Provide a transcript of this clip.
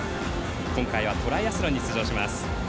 今回はトライアスロンに出場します。